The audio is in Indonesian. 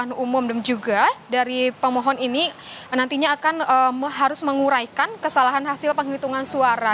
pemilihan umum dan juga dari pemohon ini nantinya akan harus menguraikan kesalahan hasil penghitungan suara